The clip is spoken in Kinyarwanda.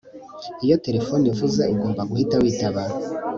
Iyo terefone ivuze ugomba guhita witaba